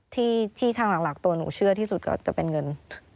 ที่ทางหลักตัวหนูเชื่อที่สุดก็จะเป็นเงิน